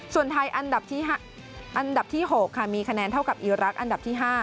ส่วนไทยอันดับที่๖ค่ะมีคะแนนเท่ากับอีรักษ์อันดับที่๕